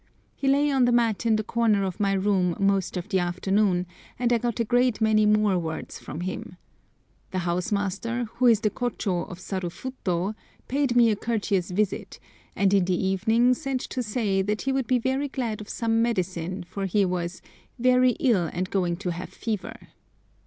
He lay on the mat in the corner of my room most of the afternoon, and I got a great many more words from him. The house master, who is the Kôchô of Sarufuto, paid me a courteous visit, and in the evening sent to say that he would be very glad of some medicine, for he was "very ill and going to have fever."